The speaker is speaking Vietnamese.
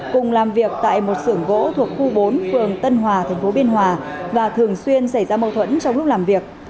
cùng làm việc tại một xưởng gỗ thuộc khu bốn phường tân hòa thành phố biên hòa và thường xuyên xảy ra mâu thuẫn trong lúc làm việc